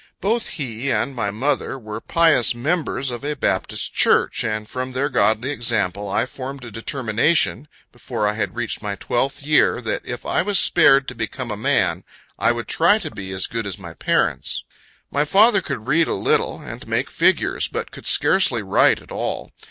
Both he and my mother were pious members of a Baptist church, and from their godly example, I formed a determination, before I had reached my twelfth year, that if I was spared to become a man, I would try to be as good as my parents. My father could read a little, and make figures, but could scarcely write at all.